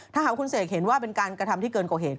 ถ้าหากคุณเสกเห็นว่าเป็นการกระทำที่เกินกว่าเหตุ